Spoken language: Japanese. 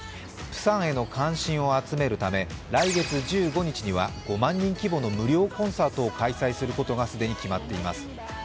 プサンへの関心を集めるため来月１５日には５万人規模の無料コンサートを開催することが既に決まっています。